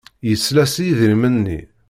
Yesla s yidrimen-nni.